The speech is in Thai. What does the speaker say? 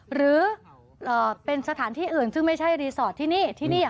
หรือเป็นสถานที่อื่นซึ่งไม่ใช่รีสอร์ทที่นี่ที่นี่